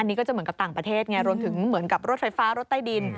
นี่ก็จะเหมือนกับต่างประเทศไงรวมถึงเหมือนกับรถไฟฟ้ารถใต้ดิน